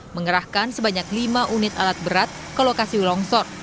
mengerahkan sebanyak lima unit alat berat ke lokasi longsor